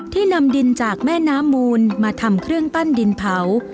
นำดินจากแม่น้ำมูลมาทำเครื่องปั้นดินเผา